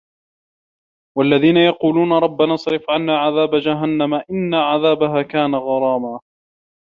وَالَّذينَ يَقولونَ رَبَّنَا اصرِف عَنّا عَذابَ جَهَنَّمَ إِنَّ عَذابَها كانَ غَرامًا